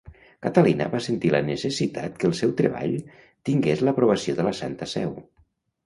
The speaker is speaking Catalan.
Catalina va sentir la necessitat que el seu treball tingués l'aprovació de la Santa Seu.